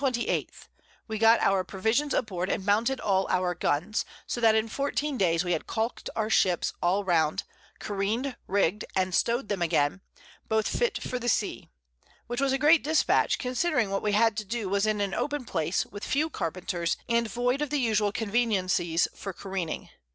_ We got our Provisions aboard, and mounted all our Guns; so that in 14 Days we had calk'd our Ships all round, careen'd, rigg'd and stow'd them again, both fit for the Sea; which was great Dispatch, considering what we had to do was in an open Place, with few Carpenters, and void of the usual Conveniencies for careening.